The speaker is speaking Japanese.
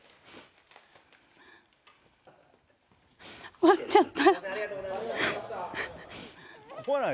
終わっちゃった。